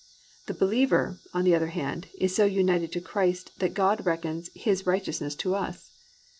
The believer, on the other hand, is so united to Christ that God reckons His righteousness to us.